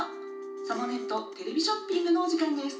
『サボネットテレビショッピング』のおじかんです」。